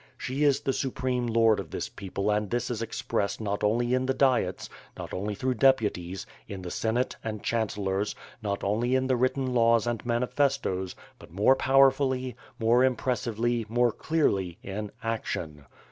She is the supreme lord of this people and this is expressed not only in the Diets, not only through deputies, in the Senate, and chancellors, not only in the written laws and manifestoes but more powerfully, more impressively, more clearly, in action.